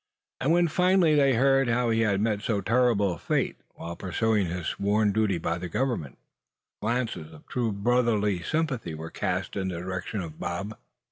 And when finally they heard how he had met so terrible a fate, while pursuing his sworn duty by the Government, glances of true brotherly sympathy were cast in the direction of Bob.